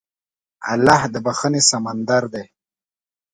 الله د بښنې سمندر دی.